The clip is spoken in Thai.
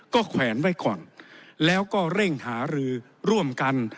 ก็แขวนไว้ก่อนแล้วก็เร่งหารือร่วมกัน